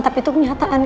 tapi itu kenyataan